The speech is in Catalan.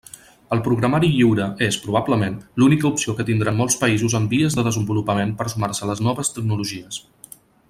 El programari lliure és, probablement, l'única opció que tindran molts països en vies de desenvolupament per sumar-se a les noves tecnologies.